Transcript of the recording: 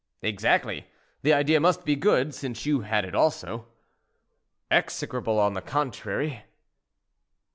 "Exactly; the idea must be good, since you had it also." "Execrable, on the contrary."